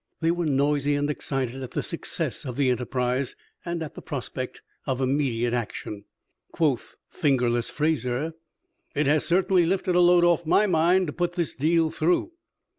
They were noisy and excited at the success of the enterprise and at the prospect of immediate action. Quoth "Fingerless" Fraser: "It has certainly lifted a load off my mind to put this deal through."